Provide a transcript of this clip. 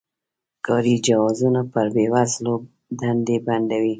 کاري جوازونه پر بې وزلو دندې بندوي.